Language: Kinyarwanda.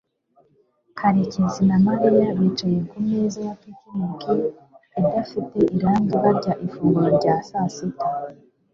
karekezi na mariya bicaye ku meza ya picnic idafite irangi barya ifunguro rya saa sita